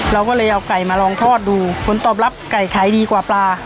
เราก็เลยเอาไก่มาลองทอดดูผลตอบรับไก่ขายดีกว่าปลา